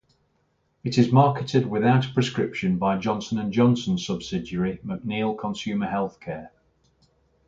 It is marketed without a prescription by Johnson and Johnson subsidiary McNeil Consumer Healthcare.